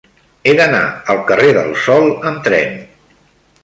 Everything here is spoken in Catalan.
He d'anar al carrer del Sol amb tren.